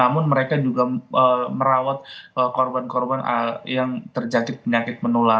namun mereka juga merawat korban korban yang terjangkit penyakit menular